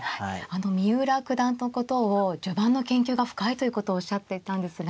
あの三浦九段のことを序盤の研究が深いということをおっしゃっていたんですが。